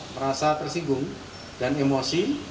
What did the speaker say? merasa tersinggung dan emosi